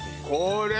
これ